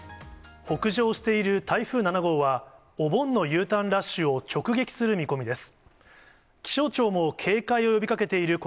北上している台風７号は、お盆のＵターンラッシュを直撃する見込みです。